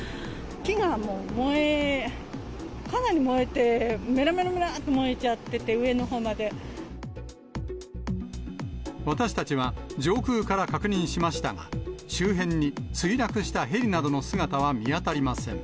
木がもう、かなり燃えて、めらめらめらっと燃えちゃってて、私たちは上空から確認しましたが、周辺に墜落したヘリなどの姿は見当たりません。